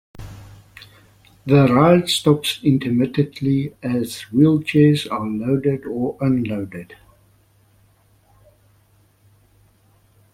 The ride stops intermittently as wheelchairs are loaded or unloaded.